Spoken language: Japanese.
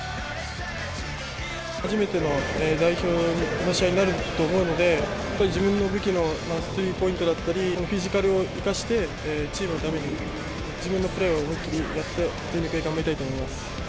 初めての代表の試合になると思うので、本当に自分の武器の、スリーポイントだったり、フィジカルを生かして、チームのために、自分のプレーを思いっ切りやって、全力で頑張りたいと思います。